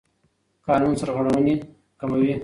قانون سرغړونې کموي.